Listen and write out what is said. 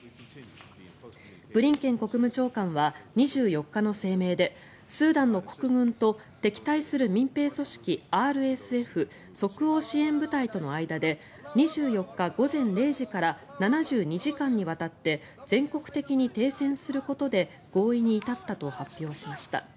ブリンケン国務長官は２４日の声明でスーダンの国軍と敵対する民兵組織ＲＳＦ・即応支援部隊との間で２４日午前０時から７２時間にわたって全国的に停戦することで合意に至ったと発表しました。